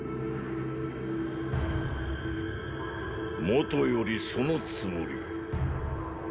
元よりそのつもり。